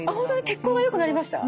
血行がよくなりました？